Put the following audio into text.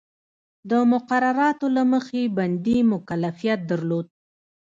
د مقرراتو له مخې بندي مکلفیت درلود.